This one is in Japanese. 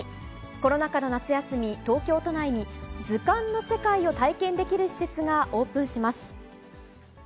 コロナ禍の夏休み、東京都内に、図鑑の世界を体験できる施設がオープンします。